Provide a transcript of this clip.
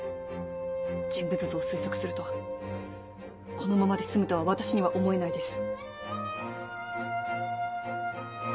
人物像を推測するとこのままで済むとは私には思えないです。